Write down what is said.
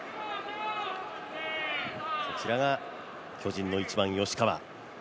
こちらが巨人の１番・吉川。